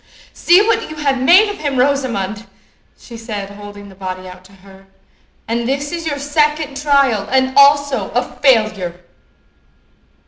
"See what you have made of him, Rosamond!" she said, holding the body out to her; "and this is your second trial, and also a failure."